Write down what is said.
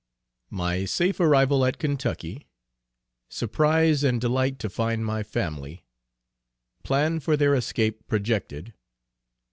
_My safe arrival at Kentucky. Surprise and delight to find my family. Plan for their escape projected.